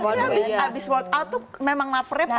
tapi abis workout tuh memang laparnya parah